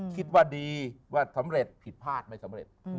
คิดว่าดีว่าสำเร็จผิดพลาดไม่สำเร็จ